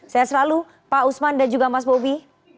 saya selalu pak usman dan juga mas bobi